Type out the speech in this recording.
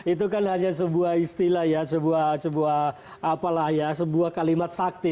itu kan hanya sebuah istilah ya sebuah kalimat sakti